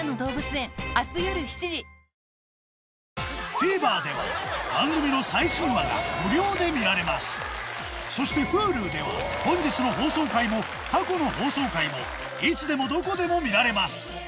ＴＶｅｒでは番組の最新話が無料で見られますそしてＨｕｌｕでは本日の放送回も過去の放送回もいつでもどこでも見られます